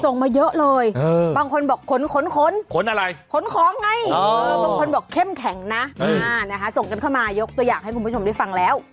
มาเยอะเลยบางคนบอกขนขนขนขนอะไรขนของไงบางคนบอกเข้มแข็งนะส่งกันเข้ามายกตัวอย่างให้คุณผู้ชมได้ฟังแล้ว